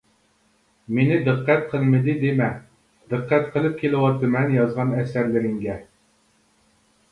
مېنى دىققەت قىلمىدى دېمە، دىققەت قىلىپ كېلىۋاتىمەن يازغان ئەسەرلىرىڭگە.